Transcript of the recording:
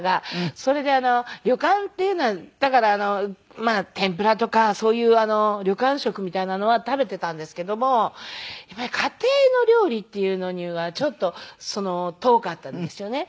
それで旅館っていうのはだからまあ天ぷらとかそういう旅館食みたいなのは食べていたんですけどもやっぱり家庭の料理っていうのにはちょっと遠かったんですよね。